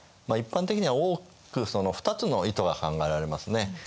まあ一般的には大きく２つの意図が考えられますね。